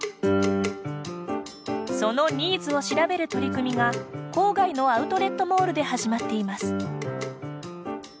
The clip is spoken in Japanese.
そのニーズを調べる取り組みが郊外のアウトレットモールで始まっています。